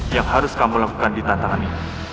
yang harus kamu lakukan di tantangan ini